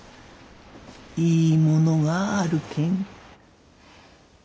いいものがあるけん。